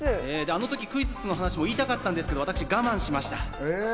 あの時、クイズッスの話も言いたかったんですけど、私我慢しました。